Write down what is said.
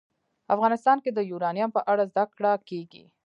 افغانستان کې د یورانیم په اړه زده کړه کېږي.